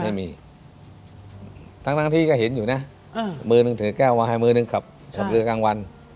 ไม่มีทั้งที่ก็เห็นอยู่นะมือนึงถือแก้วมาให้มือหนึ่งขับเรือกลางวัน